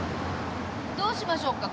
どうしましょうか？